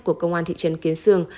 của công an thị trấn kiến sương